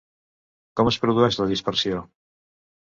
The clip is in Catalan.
Com es produeix la dispersió?